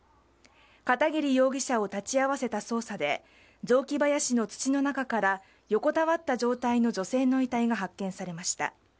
片桐容疑者を立ち会わせた捜査で雑木林の土の中から横たわった状態の女性の遺体が発見されました。